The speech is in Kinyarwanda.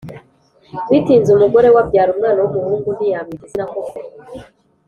bitinze umugore we abyara umwana w'umuhungu ntiyamwita izina koko.